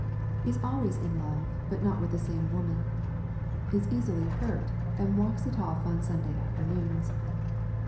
Is always in love, but not with the same woman. Is easily hurt, and walks it off on Sunday afternoons.